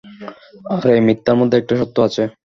আর এই মিথ্যার মধ্যে একটা সত্য আছে।